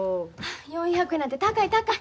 ４百円なんて高い高い。